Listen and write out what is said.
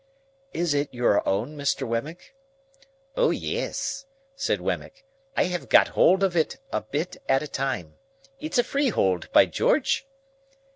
"Is it your own, Mr. Wemmick?" "O yes," said Wemmick, "I have got hold of it, a bit at a time. It's a freehold, by George!"